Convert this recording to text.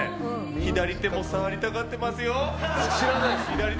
左手も触りたがってますよ。